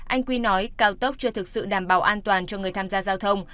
anh quy nói cao tốc chưa thực sự đảm bảo an toàn cho người tham gia giao thông